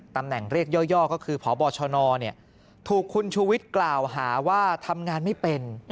เรียกย่อก็คือพบชนถูกคุณชูวิทย์กล่าวหาว่าทำงานไม่เป็น